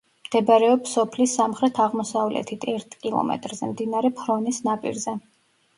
მდებარეობს სოფლის სამხრეთ-აღმოსავლეთით ერთ კილომეტრზე, მდინარე ფრონეს ნაპირზე.